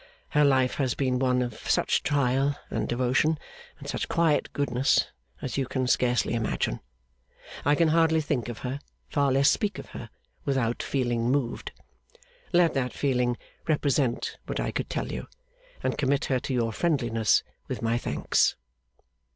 Her life has been one of such trial and devotion, and such quiet goodness, as you can scarcely imagine. I can hardly think of her, far less speak of her, without feeling moved. Let that feeling represent what I could tell you, and commit her to your friendliness with my thanks.